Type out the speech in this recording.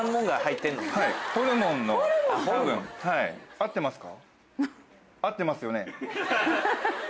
合ってますか？